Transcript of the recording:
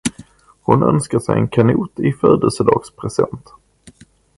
Han önskar sig en kanot i födelsedagspresent.